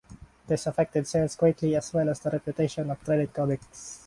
This affected sales greatly as well as the reputation of Trident Comics.